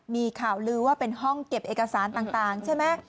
มีข่าวลือว่าเป็นห้องเก็บเอกสารต่างใช่ไหม